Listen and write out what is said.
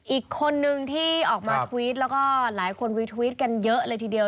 อีกคนนึงที่ออกมาทวิตแล้วก็หลายคนวิทวิตกันเยอะเลยทีเดียว